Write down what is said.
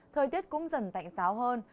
thời tiết cũng dần tạnh xáo hơn